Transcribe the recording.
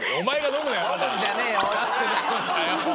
飲むんじゃねえよ！